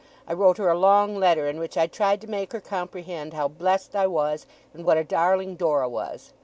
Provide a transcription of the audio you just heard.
I wrote her a long letter, in which I tried to make her comprehend how blest I was, and what a darling Dora was.